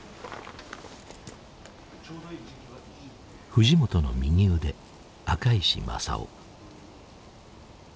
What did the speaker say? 藤本の右腕赤石正男。